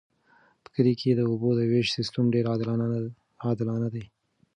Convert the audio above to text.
په کلي کې د اوبو د ویش سیستم ډیر عادلانه دی.